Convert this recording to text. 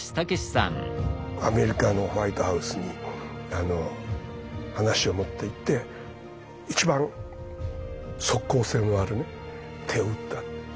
アメリカのホワイトハウスに話を持っていって一番即効性のある手を打った。